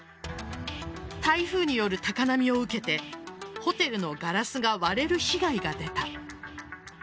台風による高波を受けてホテルのガラスが割れる被害が出た。